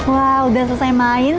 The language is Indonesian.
wah sudah selesai main